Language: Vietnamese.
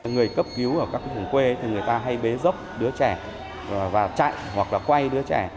người cấp cứu ở các vùng quê thì người ta hay bế dốc đứa trẻ và chạy hoặc là quay đứa trẻ